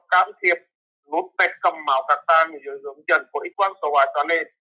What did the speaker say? cám thiệp nút mẹt cầm máu cạc tan dưới dưỡng dần của ít quan sổ hóa cho nên